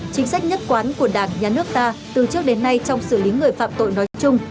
chính sách nhất quán của đảng nhà nước ta từ trước đến nay trong xử lý người phạm tội nói chung